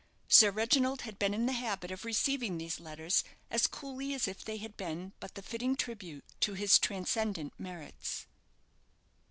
Sir Reginald had been in the habit of receiving these letters as coolly as if they had been but the fitting tribute to his transcendant merits.